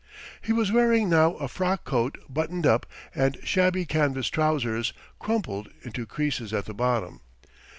He was wearing now a frock coat buttoned up, and shabby canvas trousers, crumpled into creases at the bottom.